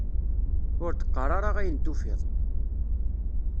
Ur d-qqar ara ayen tufiḍ!